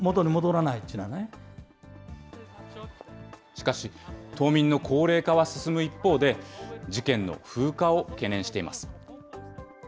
しかし、島民の高齢化は進む一方で、事件の風化を懸念しています。